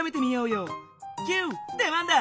キュー出番だ！